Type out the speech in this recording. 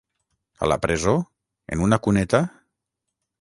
A la presó, en una cuneta…?